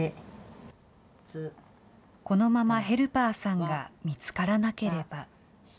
このままヘルパーさんが見つからなければ。